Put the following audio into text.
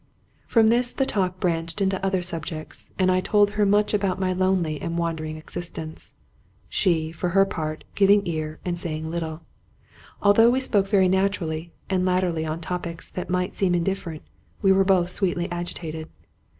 From this the talk branched into other subjects, and I told her much about my lonely and wandering existence; she, for her part, giving ear, and saying little. Although we spoke very naturally, and latterly on topics that might seem indifferent, we were both sweetly agitated.